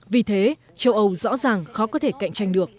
vì thế châu âu rõ ràng khó có thể cạnh tranh được